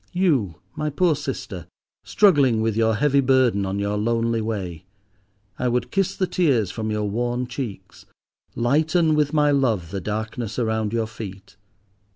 You, my poor sister, struggling with your heavy burden on your lonely way, I would kiss the tears from your worn cheeks, lighten with my love the darkness around your feet.